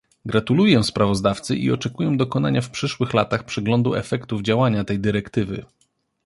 Gratuluję sprawozdawcy i oczekuję dokonania w przyszłych latach przeglądu efektów działania tej dyrektywy